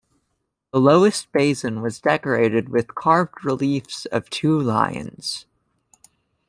The lowest basin was decorated with carved reliefs of two lions.